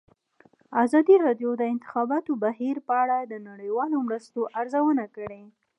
ازادي راډیو د د انتخاباتو بهیر په اړه د نړیوالو مرستو ارزونه کړې.